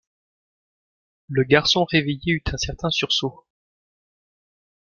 Le garçon réveillé eut un certain sursaut.